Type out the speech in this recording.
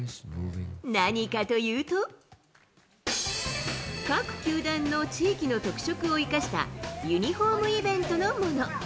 何かというと、各球団の地域の特色を生かしたユニホームイベントのもの。